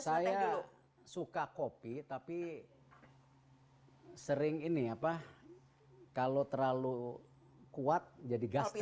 saya suka kopi tapi sering ini apa kalau terlalu kuat jadi gaster